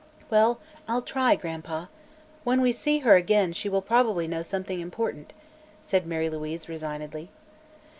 "Well, I'll try, Gran'pa. When we see her again she will probably know something important," said Mary Louise resignedly.